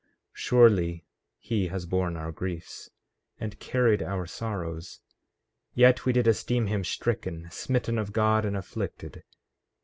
14:4 Surely he has borne our griefs, and carried our sorrows; yet we did esteem him stricken, smitten of God, and afflicted.